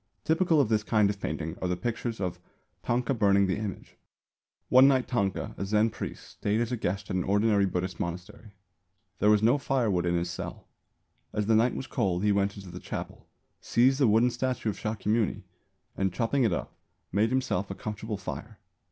Typical of this kind of painting are the pictures of "Tanka burning the Image." One night Tanka, a Zen priest, stayed as a guest at an ordinary Buddhist monastery. There was no firewood in his cell. As the night was cold he went into the chapel, seized a wooden statue of Shākyamuni and, chopping it up, made himself a comfortable fire.